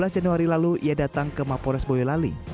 sebelas januari lalu ia datang ke mapores boyolali